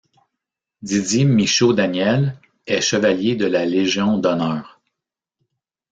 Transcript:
Didier Michaud-Daniel est Chevalier de la Légion d'honneur.